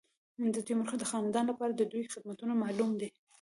د تیمور د خاندان لپاره د دوی خدمتونه معلوم دي.